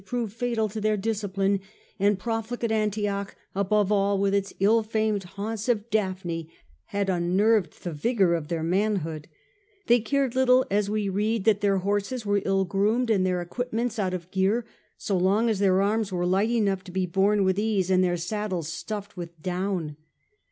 Sloth and self indulgence in the Syrian cities had proved fatal to their discipline ; and pro where the fligate Antioch, above all, with its ill famed haunts of Daphne, had unnerved the vigour moralised, of their manhood. They cared little, as we read, that their horses were ill groomed and their equipments out of gear, so long as their arms were light enough to be borne with ease, and their saddles stuffed with down.